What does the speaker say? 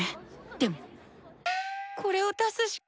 でもこれを出すしか。